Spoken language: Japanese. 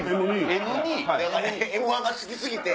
『Ｍ−１』が好き過ぎて！